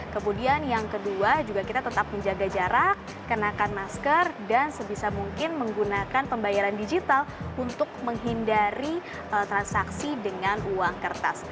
kemudian yang kedua juga kita tetap menjaga jarak kenakan masker dan sebisa mungkin menggunakan pembayaran digital untuk menghindari transaksi dengan uang kertas